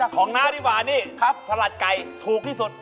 น้าดีกว่านี่ครับสลัดไก่ถูกที่สุด